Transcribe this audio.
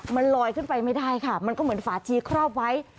มันลอยขึ้นไปไม่ได้ค่ะมันก็เหมือนฝาชีครอบไว้